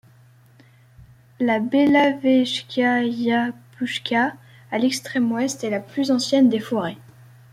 La Belavezhskaya pushcha, à l'extrême ouest est la plus ancienne des forêts.